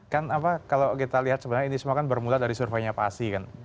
kan apa kalau kita lihat sebenarnya ini semua kan bermula dari surveinya pak asi kan